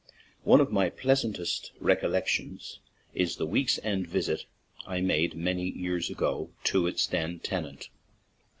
One of my pleasantest recollections is the week's end visit I made many years ago to its then tenant.